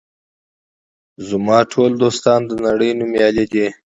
زما ټول دوستان د نړۍ نومیالي دي.